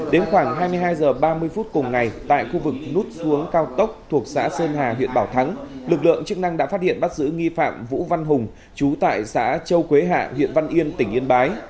đến khoảng hai mươi hai h ba mươi phút cùng ngày tại khu vực nút xuống cao tốc thuộc xã sơn hà huyện bảo thắng lực lượng chức năng đã phát hiện bắt giữ nghi phạm vũ văn hùng chú tại xã châu quế hạ huyện văn yên tỉnh yên bái